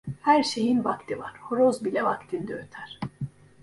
Her şeyin vakti var, horoz bile vaktinde öter.